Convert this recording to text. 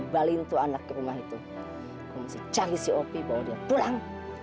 bawa anak ke rumah itu kamu harus cari si opi bawa dia pulang